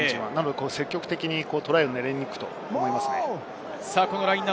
積極的にトライを取りに行くと思いますね。